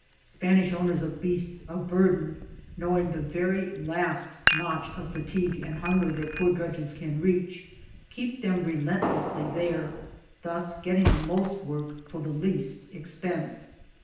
Spanish owners of beasts of burden, knowing the very last notch of fatigue and hunger their poor drudges can reach, keep them re lentlessly there, thus getting the most work for the least expense.